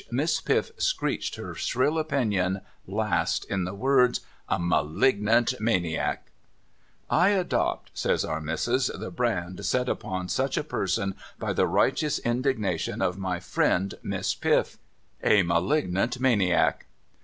Miss Piff screeched her shrill opinion last, in the words :' A malignant maniac !'' I adopt,' says Our Missis, ' the brand set upon such a person by the righteous indignation of my friend Miss Piff. A malignant maniac.